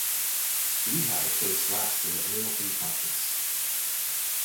Lehigh placed last in the Middle Three Conference.